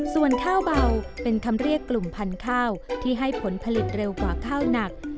ส่วนข้าวเบาเป็นคำเรียกกลุ่มพันธุ์ข้าวที่ให้ผลผลิตเร็วกว่าข้าวหนัก